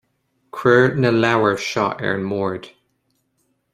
Cuir na leabhair seo ar an mbord